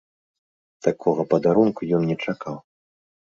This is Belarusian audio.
Такога падарунку ён не чакаў.